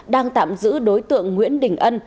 đang tạm giữ đối tượng nguyễn đình ân